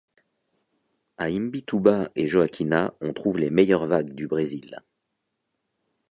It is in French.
À Imbituba et Joaquina on trouve les meilleures vagues du Brésil.